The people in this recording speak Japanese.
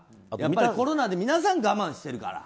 コロナで皆さん、我慢してるから。